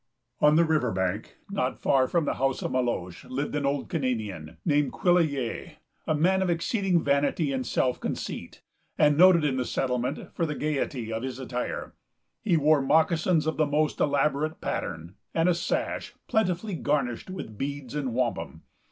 On the river bank, not far from the house of Meloche, lived an old Canadian, named Quilleriez, a man of exceeding vanity and self conceit, and noted in the settlement for the gayety of his attire. He wore moccasons of the most elaborate pattern, and a sash plentifully garnished with beads and wampum.